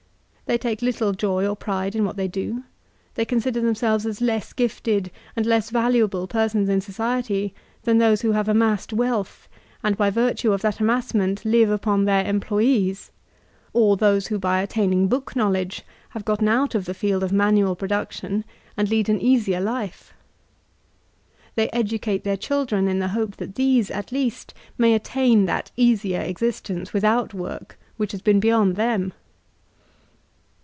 They take little joy or pride in what they do ; they consider themselves as less gifted and less valu able persons in society than those who have amassed wealth and, by virtue of that amassment, live upon their cmptoyees; or those who by attaining book knowledge have gotten out of the field of manual production, and lead an easier life. They educate their children in the hope that these, at least, may attain that easier existence, without work, which has been beyond them.